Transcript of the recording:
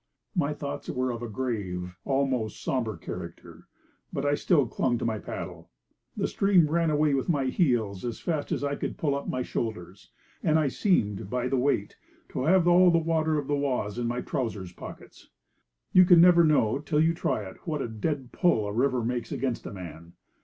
My thoughts were of a grave and almost sombre character, but I still clung to my paddle. The stream ran away with my heels as fast as I could pull up my shoulders, and I seemed, by the weight, to have all the water of the Oise in my trousers pockets. You can never know, till you try it, what a dead pull a river makes against a man.